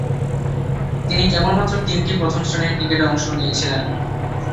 তিনি কেবলমাত্র তিনটি প্রথম-শ্রেণীর ক্রিকেটে অংশ নিয়েছিলেন।